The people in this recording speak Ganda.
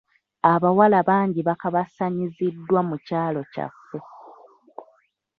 Abawala bangi bakabassanyiziddwa mu kyalo kyaffe.